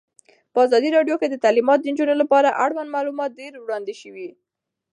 په ازادي راډیو کې د تعلیمات د نجونو لپاره اړوند معلومات ډېر وړاندې شوي.